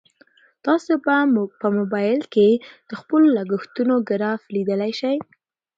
تاسو په موبایل کې د خپلو لګښتونو ګراف لیدلی شئ.